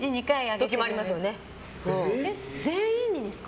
全員にですか？